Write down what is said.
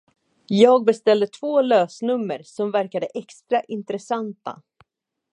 Jag beställde två lösnummer som verkade extra intressanta.